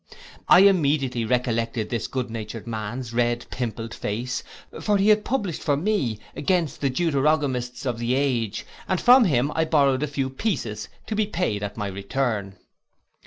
I immediately recollected this good natured man's red pimpled face; for he had published for me against the Deuterogamists of the age, and from him I borrowed a few pieces, to be paid at my return.